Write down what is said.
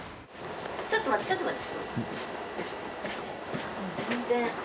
・ちょっと待ってちょっと待って。